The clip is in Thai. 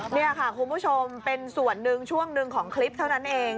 นี่ค่ะคุณผู้ชมเป็นส่วนหนึ่งช่วงหนึ่งของคลิปเท่านั้นเอง